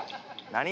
何？